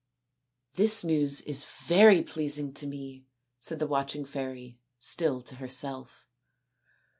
" This news is very pleasing to me," said the watching fairy, still to herself.